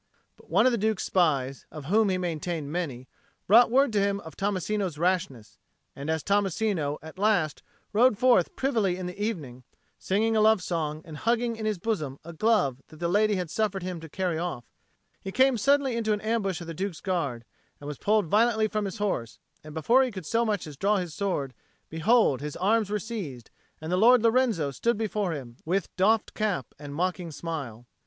But one of the Duke's spies, of whom he maintained many, brought word to him of Tommasino's rashness; and as Tommasino at last rode forth privily in the evening, singing a love song and hugging in his bosom a glove that the lady had suffered him to carry off, he came suddenly into an ambush of the Duke's Guard, was pulled violently from his horse, and before he could so much as draw his sword, behold, his arms were seized, and the Lord Lorenzo stood before him, with doffed cap and mocking smile!